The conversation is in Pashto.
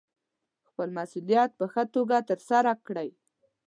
خپل مسوولیت په ښه توګه ترسره کړئ.